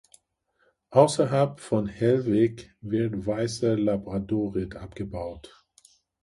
Außerhalb von Hellvik wird weißer Labradorit abgebaut.